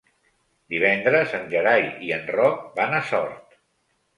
Divendres en Gerai i en Roc van a Sort.